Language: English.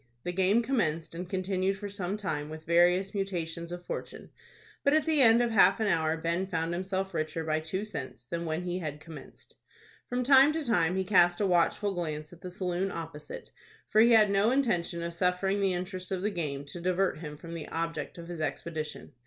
The game commenced, and continued for some time with various mutations of fortune; but at the end of half an hour Ben found himself richer by two cents than when he had commenced. From time to time he cast a watchful glance at the saloon opposite, for he had no intention of suffering the interest of the game to divert him from the object of his expedition.